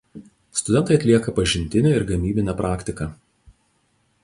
Studentai atlieka pažintinę ir gamybinę praktiką.